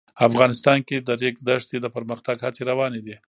افغانستان کې د د ریګ دښتې د پرمختګ هڅې روانې دي.